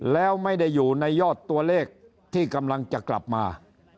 แล้วไม่ได้อยู่ในยอดตัวเลขที่กำลังจะกลับมา